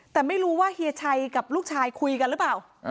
แต่ไม่รู้ว่าเฮียชัยกับลูกชายคุยกันหรือเปล่า